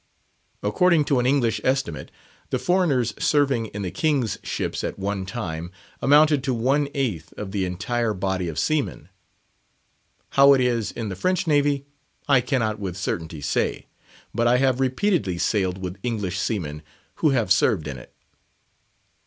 According to an English estimate, the foreigners serving in the King's ships at one time amounted to one eighth of the entire body of seamen. How it is in the French Navy, I cannot with certainty say; but I have repeatedly sailed with English seamen who have served in it.